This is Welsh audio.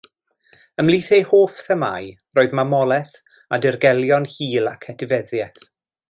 Ymhlith ei hoff themâu roedd mamolaeth a dirgelion hil ac etifeddiaeth.